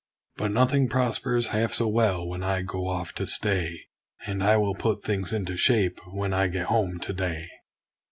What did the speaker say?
But nothing prospers half so well when I go off to stay, And I will put things into shape, when I get home to day.